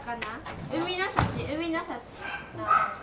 海の幸海の幸。